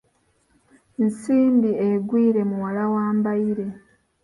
Nsimbi Egwire muwala wa Mbaire.